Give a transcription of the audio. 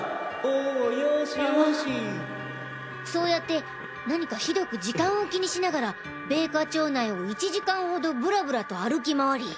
おヨシヨシあのそうやって何かひどく時間を気にしながら米花町内を１時間ほどブラブラと歩き回り。